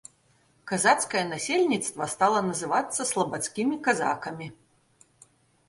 Казацкае насельніцтва стала называцца слабадскімі казакамі.